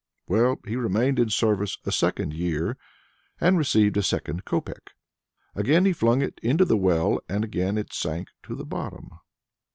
Well, he remained in service a second year, and received a second copeck. Again he flung it into the well, and again it sank to the bottom.